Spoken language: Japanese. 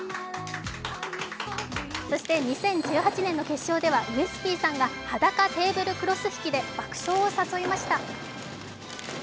そして２０１８年の決勝ではウエスＰさんが裸テーブルクロス引きで爆笑を誘いました。